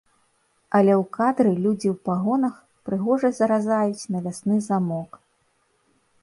Але ў кадры людзі ў пагонах прыгожа зразаюць навясны замок.